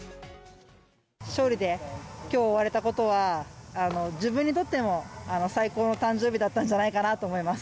勝利できょうを終われたことは、自分にとっても最高の誕生日だったんじゃないかなと思います。